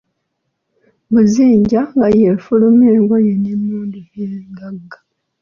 Buzinja nga ye efuluma engoye n'emmundu n'engaga.